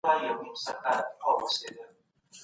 د وروسته پاته والي علتونه بايد په ګوته سي.